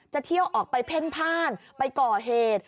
เที่ยวออกไปเพ่นพ่านไปก่อเหตุ